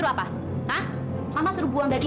saya selalu ber lei